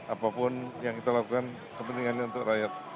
apapun yang kita lakukan kepentingannya untuk rakyat